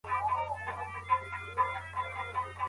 ستا په خاموشۍ کي هم کتاب کتاب خبري دي